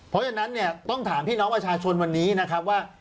เพราะฉะนั้นเนี่ยต้องถามพี่น้องประชาชนวันนี้นะครับว่า